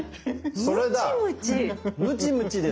ムチムチです。